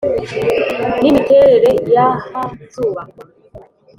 n imiterere y ahazubakwa